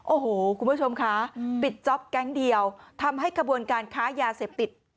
โอ้โหคุณผู้ชมคะปิดจ๊อปแก๊งเดียวทำให้ขบวนการค้ายาเสพติด